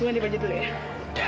gue mandi baju dulu ya